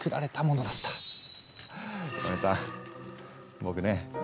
僕ね